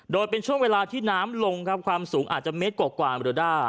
โดยเป็นช่วงเวลาที่น้ำลงครับความสูงอาจจะเมตรกว่าเมริด้า